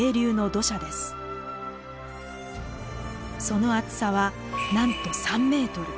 その厚さはなんと３メートル。